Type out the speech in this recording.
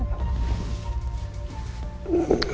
aku mau tidur